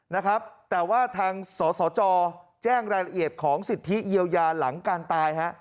นะครับแต่ว่าทางสสจแจ้งรายละเอียดของสิทธิเยียวยาหลังการตายฮะ